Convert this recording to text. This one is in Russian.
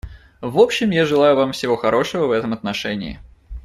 В общем я желаю вам всего хорошего в этом отношении.